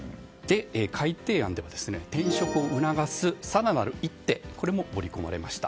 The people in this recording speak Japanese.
改定案では、転職を促す更なる一手も盛り込まれました。